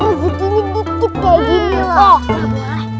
masukin dikit kayak gini loh